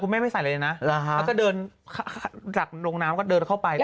แม่ไม่ใส่อะไรเลยนะแล้วก็เดินจากลงน้ำก็เดินเข้าไป